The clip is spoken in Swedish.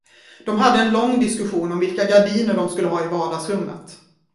De hade en lång diskussion, om vilka gardiner de skulle ha i vardagsrummet.